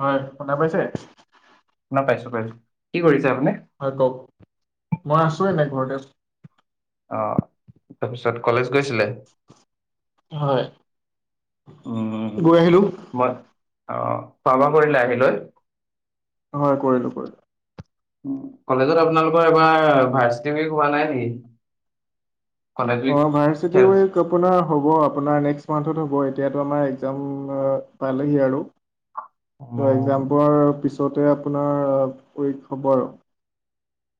হয় শুনা পাইছে। ন পাইছো পাইছো কি কৰিছা? হয় কওক। মই আছো এনে ঘৰতে আহ তাৰপিছত কলেজ গৈছিলে। হয় গৈ আহিলোঁ। আহ পাবা কৰিলে আহিলৈ হয় কৰিলো কৰিলো। কলেজত আপোনালোকৰ এবাৰ ভাৰ্চিটি বুলি কোৱা নাই নেকি। কলেজ উইক অ' ভাৰ্চিট খেল আপোনাৰ হ'ব। আপোনাৰ নেক্স মাহ হ'ব। বৰ এতিয়াতো আমাৰ একজাম পালেহি আৰু উম, তাৰ একজামৰ পিছত তহঁ‌তে আপোনাৰ উইক হ'ব আৰু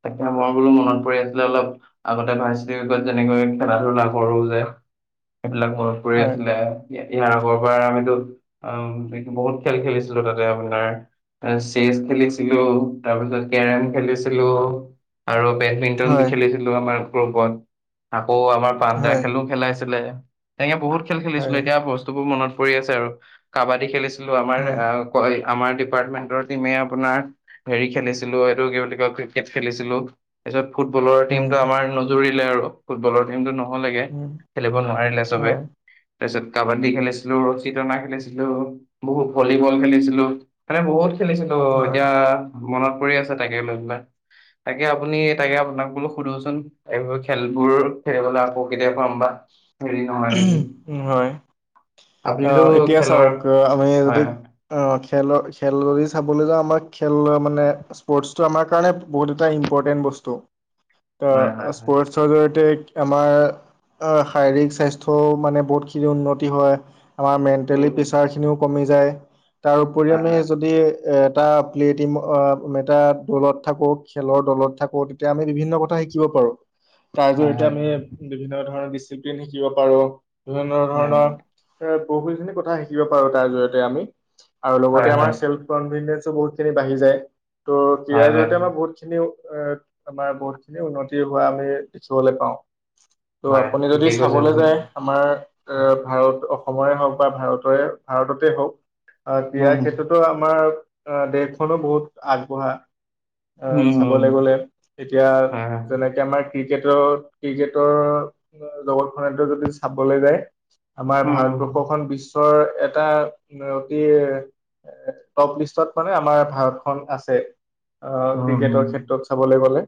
তাকে মই বোলো মনত পৰি আছিলে অলপ আগতে ফাৰ্ষ্ট উইক যেনেকৈ খেলা ধূলা লাভ কৰো যে। সেইবিলাক মন পৰি হয় আছিলে। এতিয়া ইয়াৰ আগৰবাৰ আমিতো অ' এইটো বহুত খেল খেলিছিলো তাতে আপোনাৰ চেচ খেলিছিলো তাৰ পিছত কেৰম খেলিছিলো। খেলো আৰু বেডমিন্টন হয় খেলিছিলো আমাৰ বন্ধু লগত। অ' আমাৰ পান্দা হয় খেলো খেলাই আছিলে। তেনেকে বহুত খেল খেলিছিলো হয় এতিয়া বস্তুবোৰ মনত পৰি আছে আৰু কাবাডী খেলিছিলো। আমাৰ হয় এই কয় আমাৰ ডিপাৰ্টমেন্টৰ টিমে আপোনাৰ হেৰি খেলিছিলো। এইটো কি বুলি কয়? ক্ৰিকেট খেলিছিলো তাৰপিছত ফুটবলৰ টিমটো উম আমাৰ নুজুৰিলে আৰু ফুটবলৰ টিমটো নহ'লে উম খেলিব নোৱাৰিলে চবে। হয় তাৰ পিছত কাবাডী খেলিছিলো। ৰচী টনা খেলিছিলো বহুত ভলীবল খেলিছিলো। মানে বহুত খেলিছিলো হয় এতিয়া মনত পৰি আছে তাকে লৈ পেলাই তাকে আপুনি তাকে আপোনাক বোলো সুধোচোন এইবোৰ খেলবোৰ খেলিবলৈ আকৌ কেতিয়াব পাম বা। হেৰি নহয় নেকি ওহু হয়। আপুনিতো অঁ এতিয়া খেলৰ চাওঁক আমি যদি হয় আহ খেলৰ খেল বুলি চাব। 'বলৈ যাওঁ আমাৰ খেল মানে স্পৰ্টচটো আমাৰ কাৰণে বহুত এটা ইম্পৰ্টেণ্ট বস্তু্ হয় হয় হয় স্পৰ্টছৰ জৰিয়তে আমাৰ শাৰীৰিক স্বাস্থ্যকৰ। মানে বহুতখিনি উন্নতি হয় আমাৰ উম মেন্টেলি উম, প্ৰেচাৰ খিনিও কমি যায়। তাৰপৰি হয় আমি হয় যদি এ। এটা প্লে টিম এটা দলত থাকো খেলৰ দলত থাকো তেতিয়া আমি বিভিন্ন কথা শিকিব পাৰো। তাৰ হয় জৰিয়তে হয় আমি বিভিন্ন ধৰণৰ ডিচিপ্লিন শিকিব পাৰো। বিভিন্ন হয় ধৰণৰ এ বহু খিনি কথা শিকিব পাৰো তাৰ জৰিয়তে আমি। আৰু লগতে হয় হয় আমাৰ চেল্ফ কনফিডেন্ো বহুতখিনি বাঢ়ি যায় ত' হয় ক্ৰীড়াৰ হয় জৰিয়তে আমাৰ বহুতখিনি। এ আমাৰ বহুতখিনি উন্নতি হোৱা আমি দেখিবলৈ পাওঁ। ত' হয় আপুনি যদি ঠিকেই কৈছে চাবলৈ। আপুনি য আমাৰ আহ ভাৰত অসমৰে হওক বা ভাৰতৰে ভাৰততে হওক। অঁ উম দিয়াৰ উম ক্ষেত্ৰতো আমাৰ অ দেশখনো বহুত আগবঢ়া। আহ উম উম, চাবলৈ গলে এতিয়া হয় হয় যেনেকে আমাৰ। ক্ৰিকেটত ক্ৰিকেটৰ জগতখনো যদি চাবলৈ যায়। আমাৰ উম উম ভাৰতবৰ্ষখন বিশ্বৰ এটা অতি। টপ লিষ্টত মানে আমাৰ ভাৰতখন আছে। আহ উম ক্ৰিকেটৰ উম। ক্ষেত্ৰত চাবলৈ গলে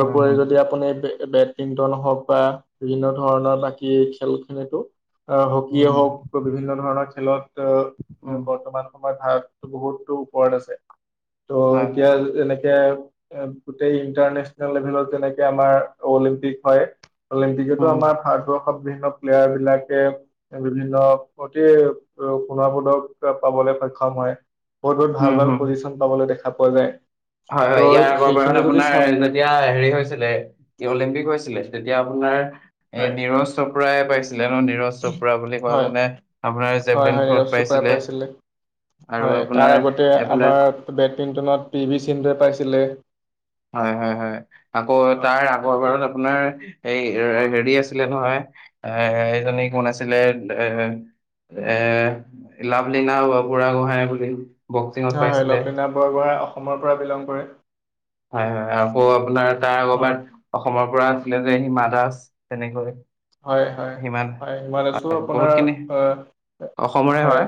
উম, হুম, যদি আপুনি। বেডমিন্টন হওঁক বা বিভিন্ন ধৰণৰ বাকী খেল খিনিতো। আহ হকিয় উম, হওঁক বিভিন্ন ধৰণৰ খেলত উম, বৰ্তমান সময়ত ভাৰত। বহুতো ওপৰত আছে ত' হয়, হয়, এতিয়া যেনেকে। গোটেই ইণ্টাৰনেচনেল লেভেলত যেনেকে আমাৰ অলিম্পিক হয়। অলিম্পিকতো উম, আমাৰ ভাৰবৰ্ষ। বিভিন্ন প্লেয়াৰ বিলাকে বিভিন্ন অতি সোণৰ পদক পাব। সক্ষম হয় বহুত বহুত উম, ভাল ভাল হুম। পজিশন পাবলৈ দেখা পোৱা যায়। হয় হয় ত' ইয়াৰ সেইখিনি আগৰবাৰত যদি চাব আপোনাৰ যেতিয়া হেৰি হৈছিলে অলিম্পিক হৈছিলে তেতিয়া। আপোনাৰ এই হয় নীৰজ চোপ্ৰাই পাইছিলে ন নীৰজ চোপ্ৰা বুলি কোৱা হয় জনে আপোনাৰ। হয় জেভলিন হয় নি থ্ৰ'ত ৰফ চোপাই পাইছিলে। আৰু হয় আপোনাৰ তাৰ আগতে এইফালে আমাৰ বেডমিণ্টনত পি ভি সিন্ধুৱে পাইছিলে। হয় হয় হয় আকৌ অ, তাৰ তাৰপিছত আগৰবাৰত হয় আপোনাৰ এই হেৰি আছে। ছিলে নহয় এ এইজনী কোন আছিলে এ। এ লাভলীনা হ'ব বুঢ়া গোহই বুলি। বক্সিঙত হয় হয় পাইছিলে। লক্ষীনাথ বৰগোহাই অসমৰ পৰা বিলং কৰে। হয় হয় আকৌ আপোনাৰ তাৰ হয় আবাত অসমৰ। পৰাফালে যে সিমা দাস তেনেকৈ। হয় হয় সিমান হয় হিমাদাসো হয় আপোনাৰ বহুতখিনি আহ অসমৰে হয়।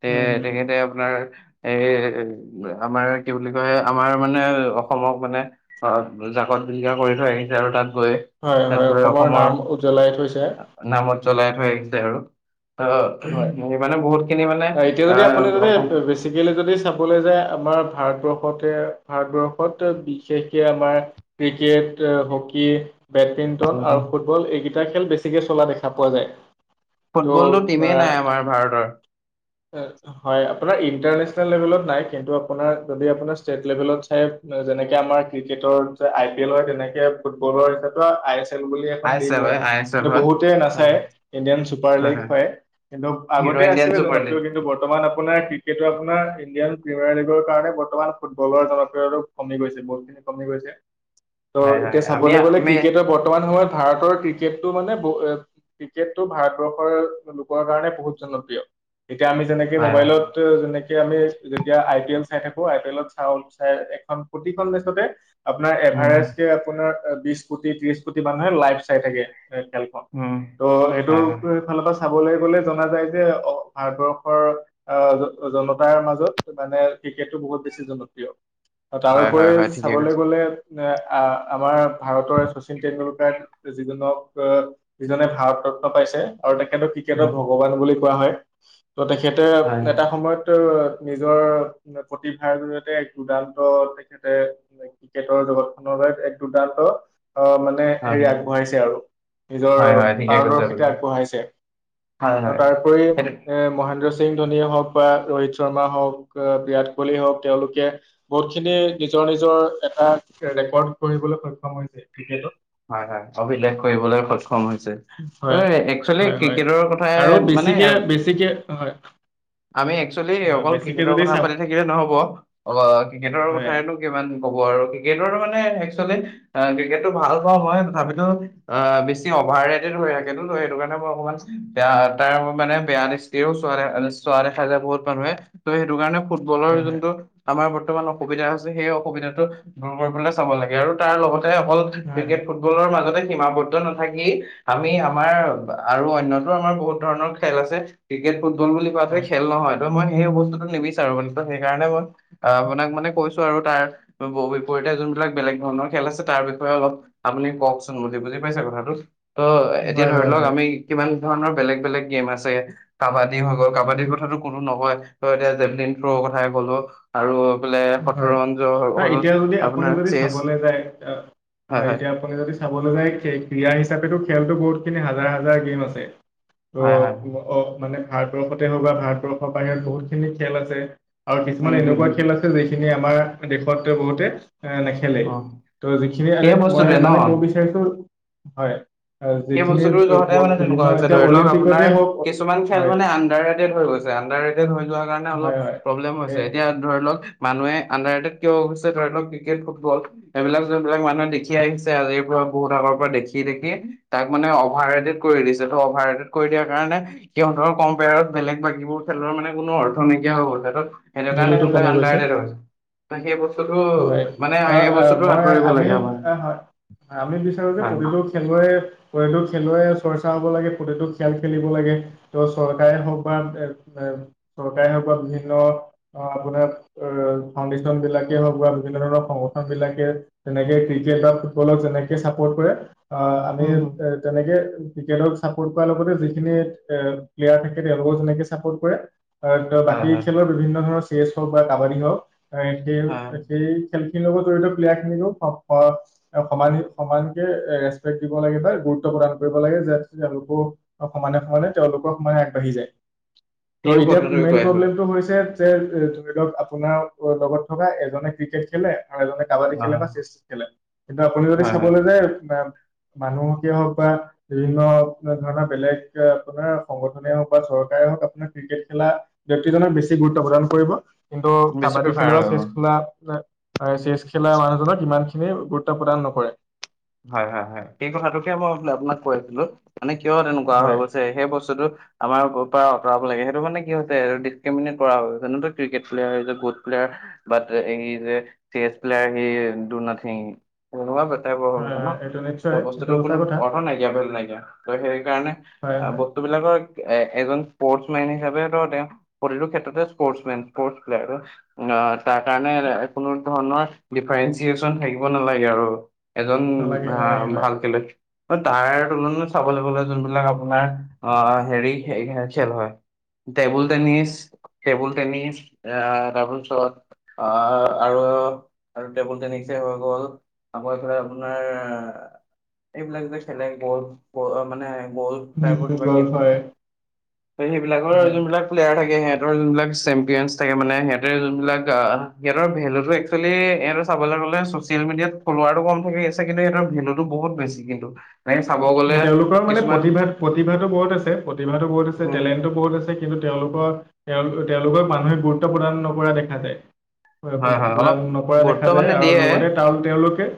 তে উম হম তেখেতে আপোনাৰ এ আমাৰ কি বুলি কয় আমাৰ। মানে অসমক মানে অ জাকত জিলিকা কৰি থৈ আহিছে আৰু তাত। গৈ হয় তাত হয় গৈ অসমৰ নাম উজ্বলাই থৈছে নামত জ্বলাই থৈ আহিছে আৰু। অ হ'ল সেই মানে বহুত খিনি মানে এতিয়া যদি আহ অসম বেছি কেলি চাবলে যায়। ভাৰত। ভাৰতবৰ্ষতে ভাৰতবৰ্ষত বিশেষকে আমাৰ ক্ৰিকেট হকী। বেডমিণ্টন উম উম আৰু ফুটবল এইকেইটা খেল বেছিকে চলা দেখা পোৱা যায়। ফুটবল টো টিমে। হয় ত' আপোনাৰ। ইন্টাৰনেছনেলৰ লেবুলত নাই। আই পি এল হয় তেনেকে ফুটবলৰ তেনেকোৱা আই এ। খেল বুলি এখন আই এছ লীগ এল হয় আই এছ এল সটো হয় বহুতে হয় নাচায় ইণ্ডিয়ান চুপাৰ লীগ হয়। কিন্তু হিৰ' আগতে আছেে ইণ্ডিয়ান চুপাৰ লিগ জনপ্ৰিয় কিন্তু বৰ্তমান আ। আপোনাৰ ক্ৰিকেটটো আপোনাৰ ইণ্ডিয়ান প্ৰিমিয়াৰ লীগৰ কাৰণে বৰ্তমান ফুটবলৰ জনপ্ৰিয়তটো কমি গৈছে বহ। কমি গৈছে ত হয় হয় এতিয়া আমি চাবলৈ গ'লে আমি ক্ৰিকেটৰ বৰ্তমান সময়ত ভাৰতৰ ক্ৰিকেটটো মানে ক্ৰিকেটটো ভাৰতবৰ্ষৰ বহুত জনপ্ৰিয় এতিয়া আমি যেনেকে হয় হয় মোবাইলত যেনেকে আমি যেতিয়া আই পি এল। চাই থাকো আই পি এলত চাওঁ চাওঁ এখন প্ৰতিখন মেচতে আপোনাৰ উম এভাৰেষ্ট আপোনাৰ। বিশ কোটি, ত্ৰিশ কোটি, মানুহে লাইভ চাই থাকে! এ খেলখনৱা উম ত' হয় হয় সেইটোফালৰ পৰা চাব। ক গ'লে জনা যায় যে ভাৰতবৰ্ষৰ আহ জনতাৰ মাজত মানে ক্ৰিকেটটো বহুত বেছি জনপ্ৰিয় হয় হয় তাৰপৰি হয় ঠিকে চাবলৈ কৈছে গ'লে আমাৰ ভাৰতৰ শচীন তেটেণ্ডুলকাৰ যিজনক যিজনে ভাৰত যত্ন পাইছে আৰু তেখেত তেখেত উম, ভগৱান বুলি কোৱা হয় ত তেখেতে হয় এটা সময়ত নিজৰ প্ৰতিভাৰ জৰিয়তে এক দুৰ্দান্ত তেখেতে ক্ৰিকেটৰ জগতখনৰ বাবে এক দুডাল অ' মানে হয় হেৰি আগবঢ়াইছে আৰু নিজৰ হয় হয় ঠিকে কৈছে আপুনি পাৰদৰ্শিতা আগবঢ়াইছে। হয় আৰু হয় তাৰপৰি এ সেইটো মই মহেন্দ্ৰ সিং ধোনিয় হওঁক বা ৰোহিত শৰ্মা হওঁক বিৰাট কোহলি হওঁক তেওঁলোকে বহুতখিনি নিজৰ নিজৰ এটা ৰেকৰ্ড পঢ়িবলৈ সক্ষম হৈছে ক্ৰিকেটত। হয় হয় অভিলেখ কৰিবলৈ সক্ষম হৈ হৈছে ত হয় একচেলি হয় হয় ক্ৰিকেট। আৰু বেছিকে বেছিকে হয়। আমি একচুৱেলি হয়, অকল বেছিকে ক্ৰিকেটৰ যদি কথা চাব পাতি থাকিলে নহব অ ক্ৰিকেটৰ হয় কথটো কিমান ক'ব। ক্ৰিকেটৰ মানে এক ক্ৰিকেটটো ভাল। হয় তথাপিতো অ'বেছি অভাৰ ৰেটড হৈ থাকে। সেইটো কাৰণে মই অকণমানয়া তাৰ মানে বেয়া দৃষ্টিও চ চোৱা দে খাই যায় বহুত মানুহে ত' সেইটো কাৰণে ফুটবলৰ হয় হয় হয় যোনটো আমাৰ কিমান অসুবিধা হৈছে সেই অসুবিধাটো দূৰ কৰিবলে চাব লাগে আৰু তাৰ লগতে হল হয় ক্ৰিকেট ফুটবলৰ মাজতে সীমাবদ্ধ নাথাকি আমি আমাৰ আৰু অনয়তো আমাৰ বহুত ধৰণৰ খেল আছে ক্ৰিকেট। ফুটবল বুলি কোৱাতে হয় হয় খেল নহয় ত মই সেই বস্তুটো নিবিচাৰো বুলি ত সেই কাৰণে মই আপোনাক মানে কৈছো। আৰু তাৰ বিপৰীতে যোনবিলাক বেলেগ ধৰণৰ খেল আছে তাৰ বিষয়ে অলপ। আপুনি কওকচোন বুলি বুজি পাইছে কথাটো ত এতিয়া ধৰি হয় লওক হয় আমি কিমান। ধৰণৰ বেলেগ বেলেগ গেম আছে কাবাডী হৈ গ'ল কাবাডীৰ কথাটো কোনো নহয় এতিয়া জেভলিন থ্ৰ কথাই ক'লো আৰু এইফালে হয় শতৰঞ্জ হ'ল এতিয়া যদি আপুনি আপোনাৰ যদি চেচ চাবলৈ যায়। হয় এতিয়া আপুনি যদি চাবলৈ যায় ক্ৰীড়া হিচাপে খেলতো বহুত খিনি হাজাৰ হাজাৰ গেম আছে। ত হয় হয় অঁ মানে ভাৰতবৰ্ষতে হওঁক বা ভাৰতবৰ্ষৰ বাহিৰত বহুত খিনি খেল আছে। আৰু কিছুমান উম উম এনেকুৱা উম খেল আছে। যিখিনি আমাৰ দেশত বহুতে এ নেখেলে অ ত' যিখিনি সেই আৰু মই বস্তুটোৱে মানে ন ক'ব বিচাৰিছো হয়। আহ, সেই যিখিনি বস্তুতটো ব- যহতে ব- মানে বিভিন্ন তেনেকুৱা হৈছে এতিয়া ধৰি লওক অলিম্পিকতে আপোনাৰ হওক কিছুমান খেল হয় মানে আডাৰ গ'ল। আডাৰ ৰেড হৈ যোৱাৰ কাৰণে অলপ হয় হয় প্ৰব্লেম হৈছে এই এতিয়া ধৰি লওঁ‌ক। মানুহে আণ্ডাৰট কিয়ৈছে ধৰি লওক। ক্ৰিকেট ফুটবল এইবিলাক যোনবিলাক মানুহে দেখি আহিছে। আজিৰ পৰা বহুত আগৰ পৰা দেখি দেখি তাইক মানে অভাৰ ৰেডেড কৰি দিছে ত অভাৰ ৰেডড দিয়াৰ কাৰণে সিহঁতৰ কম্পেয়াৰত বেলেগ বাকীবোৰ খেল মানে কোন অৰ্থ নাইকিয়া হৈ গল ভেলুটো কমি গৈছে সেকাৰণে আঁ সেই বস্ত টো হয় মানে আ, এই আ, বছটো মই আঁতৰিব আমি লাগে আমাৰ। আ, হয়, আমি বিচাৰো যে হয় প্ৰতিটো খেলুৱৈ। কোটটো খেলুৱৰে চৰ্চা হ'ব লাগে কোনটো খেল খেলিব লাগে ত' চৰকাৰে হওঁক বা এ চৰকাৰ বিভিন্ন আপোনাৰ ফাউণ্ডেচন বিলাক। হওঁক বা বিভিন্ন ধৰণৰ সংগঠন বিলাকে তেনেকে ক্ৰিকেট বা ফুটবলক যেনেকে চাপৰ্ট কৰে। অ' আমি উম, হম। এ তেনেকে। ক্ৰিকেটক চাপোৰ্ট কৰাৰ লগতে যিখিনি এ প্লেয়াৰ থাকে তেওঁলোকক যেনেকে চাপোৰ্ট কৰে ত হয়, বাকী হয়, খেলৰ বিভিন্ন ধৰণৰ চেছ হওক বা কাবাডী হওক সেই হয়। সেই খেল খিনিৰ লগত জড়িত প্লেয়াৰ খিনিকো সম সমানকে ৰেচপেক্ট দিব লাগে বা গুৰুত্ব প্ৰদান কৰিব লাগে যে তেওঁলোকো সমানে সমানে তেওঁলোকৰ সমানে আগবাঢ়ি যায়। ত' সিও এতিয়া কটোতে মেইন কৈ আছো প্ৰব্লেমটো হৈছে। ধৰি লওক আপোনাৰ লগত থকা এজনে ক্ৰিকেট খেলে, এজনে কাবাডী অ খেলে বা চেচ খেলে কিন্তু আপুনি যদি হয় হয় চাবলৈ যায়। মানুহকে হওক বা বিভিন্ন ধৰণৰ বেলেগ আপোনাৰ সংগঠনে হওক বা চৰকাৰ হক আপোনাৰ ক্ৰিকেট খেলা ব্যক্তিজক বেছি গুৰুত্ব প্ৰদান কৰিব কিন্তু বেছি কাবাডী খেল প্ৰিফাৰ বা চেছ কৰিব খেলা চেছ খেলা মানুহজনক ইমান খিনি গুৰুত্ব প্ৰদান নকৰে। হয় হয় হয়। সেই কথাটোকে মই আপোনাক কৈ আছিলো। মানে কিয় তেনেকোৱা হৈ হয় গৈছে সেই বস্তুটো আমাৰ পৰা আঁতৰাব লাগে, সেইটো মানে কি হৈছেটো ডিছক্ৰমিনেট কৰা হয় গৈছে। Cricket player is a good player. But এই যে চেছ প্লেয়াৰ ঐ ই যে ডু নাথিং তেনেকুৱা টাইপৰ হৈ গৈছে আহ, এইটো ত নিশ্চয় এইটো বস্তুতো সঁচা কোনো কথা অৰ্থ নাইকিয়া, ভেলু নাইকিয়া। ত' সেই কাৰণে হয় অ হয় বস্তুবিলাকৰ এ এজন স্পৰ্টছ মেন হিচাপে প্ৰতিটো ক্ষেত্ৰতে স্পৰ্টছ মেন স্পৰ্টছ প্লেয়াৰ। আ তাৰ কাৰণে কোনো ধৰণৰ ডিফাৰেণ্টচিয়েশ্যন থাকিব নালাগে আৰু। এ জন নালাগে নালাগে হয় ভাল খেলৈ। তাৰ তুলনাত চাবলৈ গলে যোনবিলাক আপোনাৰ আহ হেৰি খেল হয়। টেবুল টেনিছ টেবুল টেনিছ আহ তাৰপাছত অ' আৰু আৰু টেবুল টেনিছে হৈ গ'ল। আকৌ এইফালে আপোনাৰ এইবিলাক যে খেলে ব মানে বল টাইপৰ কিবা গ'ল গেম খেলে হয় সেইবিলাকৰ হয় যোনবিলাক প্লেয়াৰ থাকে। সিহঁতৰ যোনবিলাক চেম্পিয়ন থাকে মানে সিহঁতেৰ যোনবিলাক সিহঁতৰ ভেলু টো একচুৱেলি ইহঁতক চাবলৈ গ'লে চচিয়েল মিডিয়াত ফল্লোৱাৰটো কম থাকি আছে কিন্তু ইহঁতৰ ভেলুটো বহুত বেছি কিন্তু। এনেকে চাব গ'লে তেওঁলোকৰ মানে কিছুমান প্ৰতিভা প্ৰতিভাটো বহুত আছে। প্ৰতিভাটো বহুত আছে, উম টেলেণ্টটো বহুত আছে, কিন্তু তেওঁলোকৰ তেওঁলো তেওঁলোকক মানুহে গুৰুত্ব প্ৰদান নকৰা দেখা যায়। হয় হয় অলপ দান নকৰা দেখা গুৰুত্ব যায় মানে দিয়ে আৰু লগতে তাল তেওঁলোকে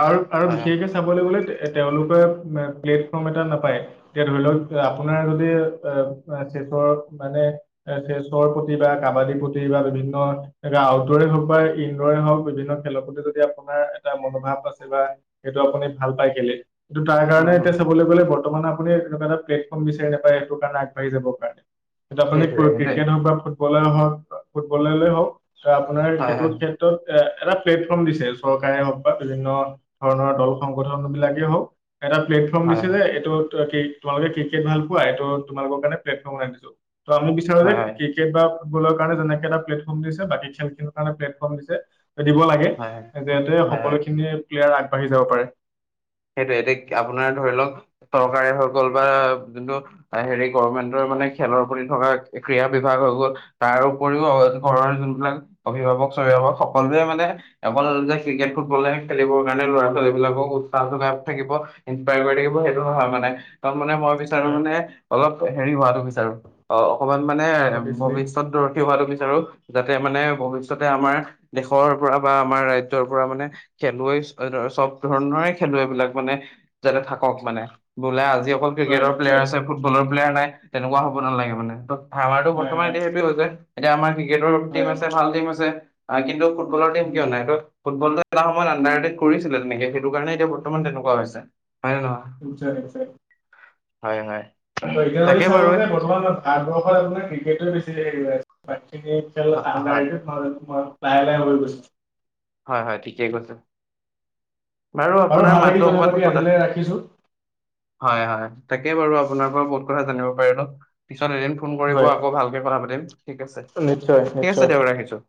আৰু আৰু হয় হয় বিশেষকে চাবলৈ গ'লে তেওঁলোকে প্লেটফৰ্ম এটা নাপায়। যে ধৰি লওক আপোনাৰ যদি মানে চেচৰ প্ৰতি বা কাবাডীৰ প্ৰতি বা বিভিন্ন এনে আউটডৰে হওক বা ইনডৰে হওক। বিভিন্ন খেলৰ প্ৰতি যদি আপোনাৰ এটা মনোভাৱ আছে বা সেইটো আপুনি ভাল পাই খেলি। তাৰ কাৰণে উম হম এতিয়া চাবলৈ গ'লে বৰ্তমান আপুনি এনেকুৱ এটা প্লেটফৰ্ম বিচাৰি নাপায় সেইটো কাৰণে আগবাঢ়ি যাব কাৰণে। আপুনি সেইটোৱে সেইটোৱে ক্ৰিকেট হওক বা ফুটবলে হওক বা ফুটবলেলৈ হওক, ত' আপোনাৰ হয় সেইটো হয় ক্ষেত্ৰত এ এটা প্লেটফৰ্ম দিছে চৰকাৰে হওক বা বিভিন্ন ধৰণৰ দল সংগঠন বিলাকেই হওক। এটা প্লেটফৰ্ম হয় দিছে যে এইটো ত তোমালোকে ক্ৰিকেট ভাল পোৱা? এইটো তোমালোক কাৰনে প্লেটফৰ্ম বনাই দিছো। ত' আমি বিচাৰো যে হয় হয় হয় ক্ৰিকেট বা ফুটবলৰ কাৰণে যেনেকে এটা প্লেটফৰ্ম দিছে, বাকী খেল খিনিৰ কাৰণে প্লেটফৰ্ম দিছে, দিব লাগে হয় যিহেতু হয় হয় সকলোখিনি প্লেয়াৰ আগবাঢ়ি যাব পাৰে। এতিয়া আপোনাৰ ধৰি লওক চৰকাৰে হৈ গ'ল বা যোনটো হেৰি গমেন্টৰ মানে ৰ প্ৰতি থকা ক্ৰীড়া বিভাগ হৈ গ'ল। তাৰ উপৰিও ঘৰৰ যোনবিলাক অভিভাৱক স্বভিভাৱক সকলোৱে মানে অকল যে ক্ৰিকেট ফুটবলে খেলিবৰ কাৰণে ল'ৰা ছোৱালী বিলাকক উৎখা যোগাই থাকিব ইনস্পায়াৰ কৰি থাকিব। সেইটো নহয় মানে মই বিচাৰো হয় মানে অলপ হেৰি হোৱাটো বিচাৰো অ' অকমান মানে অভিয়াচলি ভৱিষ্যত দৰ্থি হোৱাটো বিচাৰো। যাতে মানে ভৱিষ্যতে আমাৰ দেশৰ পৰা বা আমাৰ ৰাজ্যৰ পৰা মানে খেলুৱৈ চব ধৰণৰে খেলুৱৈবিলাক মানে যাতে থাকক মানে। বোলে আজি অকল হয় ক্ৰিকেটৰ প্লেয়াৰ নিশ্চয় আছে ফুটবলৰ প্লেয়াৰ নাই তেনেকোৱা হ'ব নালাগে মানে। ত আমাৰতটো হয় বৰ্তমান হয় এতিয়া সেই হৈছে। এতিয়া আমাৰ ক্ৰিকেটৰ টিম হয় আছে ভাল টিম আছে কিন্তু ফুটবলৰ টিম কিয় নাই ত ফুটবলটো এটা সময় আডাৰ কৰিছিলে তেনেকে সেইটো কাৰণে এতিয়া বৰ্তমান তেনেকুৱা হৈছে। হয় নে নহয় উ চাৰেছোৰ হয় হয়। ত এতিয়া যদি তাকে চাবো বাৰু হয় যে বৰ্তমান ভাৰতবৰ্ষত আপোনাৰ ক্ৰিকেটে বেছি হৰি মই হয় লাহে লাহে হৈ গৈছো। হয় হয় ঠিকেই কৈছে বাৰু আপোনাৰ ভাল লাগিল মাতটো অকমান পাতি কথা আজিলৈ ৰাখিছো। হয় হয়। তাকে বাৰু আপোনাৰ পৰা বহুত কথা জানিব পাৰি ল পিছত এদিন ফোন কৰিব হয় আকৌ ভালকে কথা পাতিম ঠিক আছে নিশ্চয় ঠিক আছে নিশ্চয়। দক ৰাখিছো।